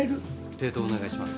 剃頭お願いします。